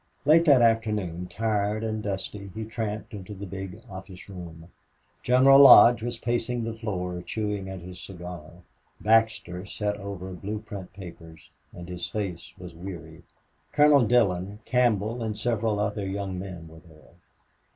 Late that afternoon, tired and dusty, he tramped into the big office room. General Lodge was pacing the floor, chewing at his cigar; Baxter sat over blueprint papers, and his face was weary; Colonel Dillon, Campbell, and several other young men were there.